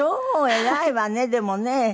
偉いわねでもね。